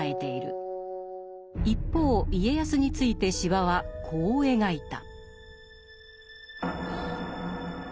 一方家康について司馬はこう描いた。